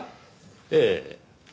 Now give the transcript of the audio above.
ええ。